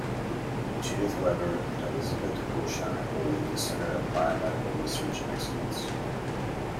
Judith Weber and Elisabet Borsheim will lead the Center of Biomedical Research Excellence.